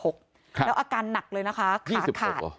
แล้วอาการหนักเลยนะคะขาขาด